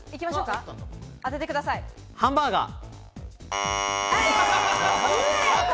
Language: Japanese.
ハンバーガー。